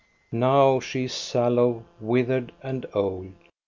Now she is sallow, withered, and old.